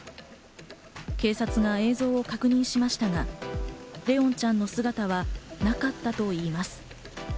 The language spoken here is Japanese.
警察が映像を確認しましたが、怜音ちゃんの姿はなかったといいます。